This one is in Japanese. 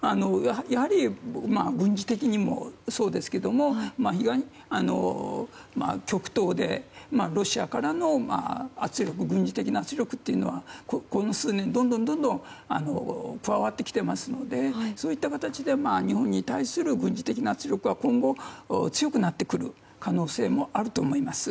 やはり軍事的にもそうですが極東で、ロシアからの軍事的な圧力というのはこの数年、どんどん加わってきていますのでそういった形で、日本に対する軍事的な圧力は今後、強くなってくる可能性もあると思います。